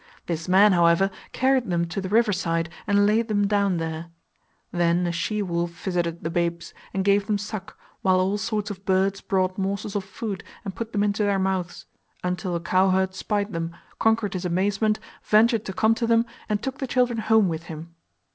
This man, however, carried them to the river side and laid them down there. Then a she wolf visited the babes and gave them suck, while all sorts of birds brought morsels of food and put them into their mouths, until a cow herd spied them, conquered his amazement, ventured to come to them, and took the children home with him.